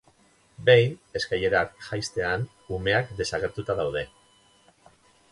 Behin, eskailerak jaistean, umeak desagertuta daude.